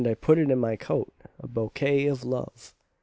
put it in my coat,A bouquet of Love!